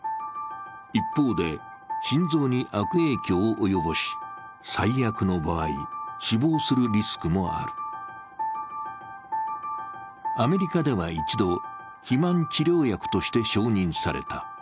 一方で、心臓に悪影響を及ぼし最悪の場合、死亡するリスクもあるアメリカでは一度、肥満治療薬として承認された。